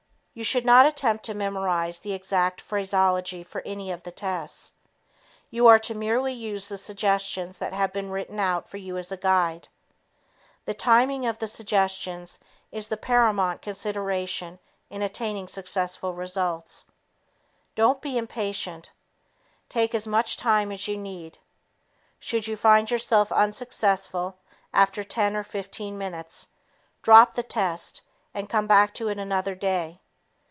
You should not attempt to memorize the exact phraseology for any of the tests. You are to merely use the suggestions that have been written out for you as a guide. The timing of the suggestions is the paramount consideration in attaining successful results. Don't be impatient. Take as much time as you need. Should you find yourself unsuccessful after ten or fifteen minutes, drop the test and come back to it another day.